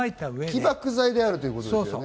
起爆剤であるということですね。